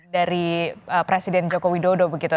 dari presiden joko widodo begitu